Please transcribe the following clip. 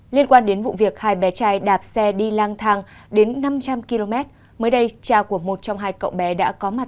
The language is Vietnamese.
liên quan đến vụ việc hai bé trai đạp xe đi lang thang đến năm trăm linh km mới đây cha của một trong hai cậu bé đã có mặt